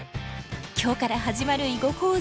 今日から始まる囲碁講座。